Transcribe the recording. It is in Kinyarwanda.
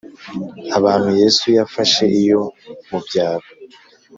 abantu Yesu yafashe iyo mu byaro